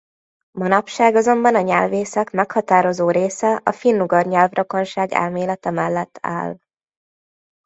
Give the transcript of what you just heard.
Manapság azonban a nyelvészek meghatározó része a finnugor nyelvrokonság elmélete mellett áll.